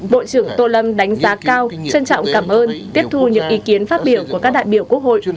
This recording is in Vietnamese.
bộ trưởng tô lâm đánh giá cao trân trọng cảm ơn tiếp thu những ý kiến phát biểu của các đại biểu quốc hội